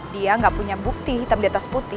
dia nggak punya bukti hitam di atas putih